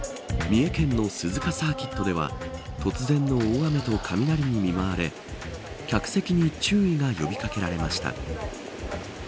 三重県の鈴鹿サーキットでは突然の大雨と雷に見舞われ客席に注意が呼び掛けられました。